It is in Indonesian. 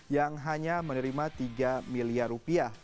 yang hanya menerima tiga miliar rupiah